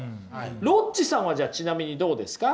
ロッチさんはじゃあちなみにどうですか？